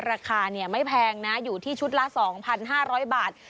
ราคาไม่แพงนะอยู่ที่ชุดละ๒๕๐๐บาท